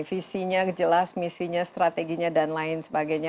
visinya jelas misinya strateginya dan lain sebagainya